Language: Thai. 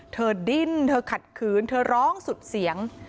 ดิ้นเธอขัดขืนเธอร้องสุดเสียง